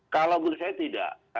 kalau menurut saya tidak